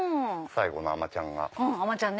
最後の海女ちゃんが。